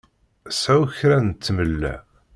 Sεu kra n tmella!